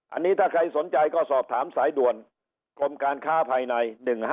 อันนี้ถ้าใครสนใจก็สอบถามสายด่วนกรมการค้าภายใน๑๕